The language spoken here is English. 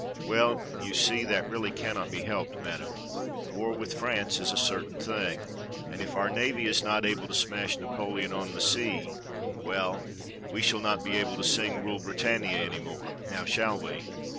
" Well, you see, that really cannot be helped. Madam. War with France is a certain thing, and if our navy is not able to smash Napoleon on the sea — well, we shall 274 DOCTOR SYN not be able to sing *Ilule Britannia' any more, now shall we?